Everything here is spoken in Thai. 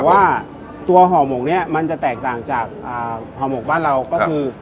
แต่ว่าตัวห่อหมกเนี่ยมันจะแตกต่างจากห่อหมกบ้านเราก็คือ